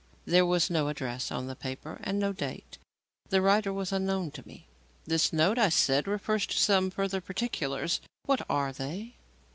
There was no address on the paper and no date, and the writer was unknown to me. "This note," I said, "refers to some further particulars. What are they?"